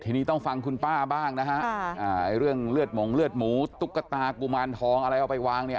ทีนี้ต้องฟังคุณป้าบ้างนะฮะไอ้เรื่องเลือดหมงเลือดหมูตุ๊กตากุมารทองอะไรเอาไปวางเนี่ย